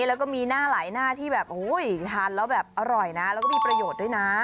แล้วก็มีหน้าหลายหน้าที่แบบทานแล้วแบบอร่อยนะแล้วก็มีประโยชน์ด้วยนะ